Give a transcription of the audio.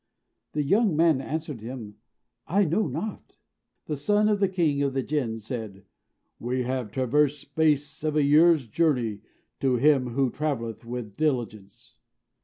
The young man answered him, "I know not." The son of the king of the Jinn said, "We have traversed a space of a year's journey to him who travelleth with diligence."